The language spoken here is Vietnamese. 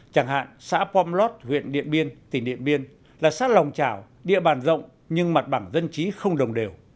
chẳng hạn xã pomlot huyện điện biên tỉnh điện biên là sát lòng trào địa bàn rộng nhưng mặt bảng dân chí không đồng đều